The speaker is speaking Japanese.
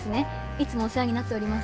いつもお世話になっております。